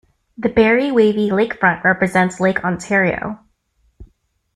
The barry wavy 'lakefront' represents Lake Ontario.